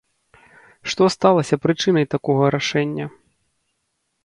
Што сталася прычынай такога рашэння?